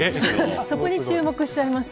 そこに注目してしまいました。